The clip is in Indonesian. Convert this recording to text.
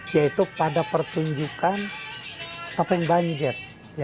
yaitu pada pertunjukan topeng banjir